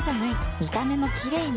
見た目もキレイに